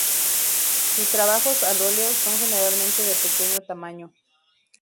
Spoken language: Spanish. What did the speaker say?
Sus trabajos al óleo son generalmente de pequeño tamaño.